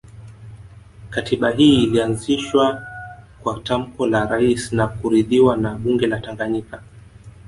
Katiba hii ilianzishwa kwa tamko la Rais na kuridhiwa na bunge la Tanganyika